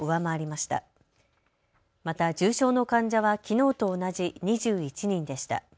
また重症の患者はきのうと同じ２１人でした。